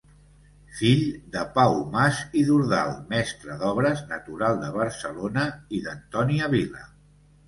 Fill de Pau Mas i Dordal mestre d'obres natural de Barcelona i d'Antònia Vila.